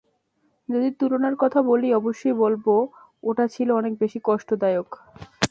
যদি তুলনার কথা বলি, অবশ্যই বলব ওটা ছিল অনেক বেশি কষ্টদায়ক।